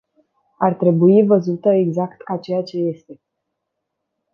Ar trebui văzută exact ca ceea ce este.